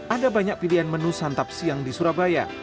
ada banyak pilihan menu santap siang di surabaya